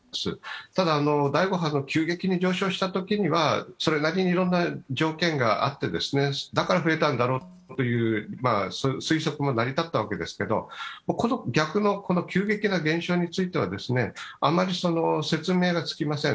ただ、第５波の急激に上昇したときにはそれなりにいろんな条件があって、だから増えたんだろうという推測も成り立ったわけですけれども、逆のこの急激な減少についてはあんまり説明がつきません。